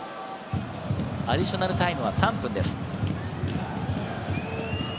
アディショナルタイムは３分です。